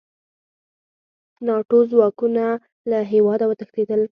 ناټو ځواکونه له هېواده وتښتېدل.